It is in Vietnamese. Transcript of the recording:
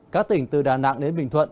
các tỉnh từ đà nẵng đến bình thuận